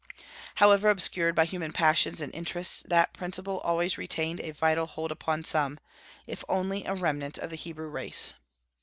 However obscured by human passions and interests, that principle always retained a vital hold upon some if only a "remnant" of the Hebrew race.